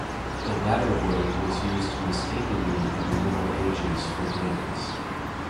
The latter word was used mistakenly in the Middle Ages for 'Danes'.